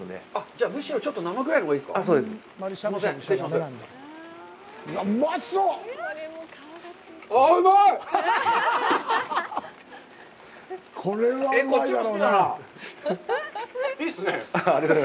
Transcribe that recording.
じゃあ、むしろちょっと生ぐらいのほうがいいですか。